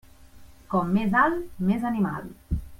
Com més alt, més animal.